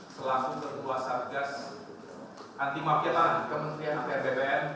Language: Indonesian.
selaku ketua satgas anti mafia tanah di kementerian apr bpn